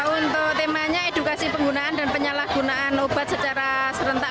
untuk temanya edukasi penggunaan dan penyalahgunaan obat secara serentak